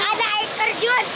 ada air terjun